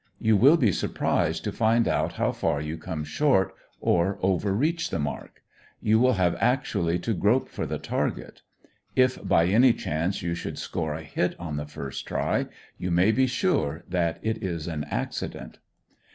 You will be surprised to find out how far you come short, or overreach the mark. You will have actually to grope for the target. If by any chance you should score a hit on the first try, you may be sure that it is an accident.